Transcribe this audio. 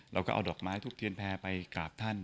เราก็เอาดอกไม้ทุบเทียนแพร่ไปกราบท่าน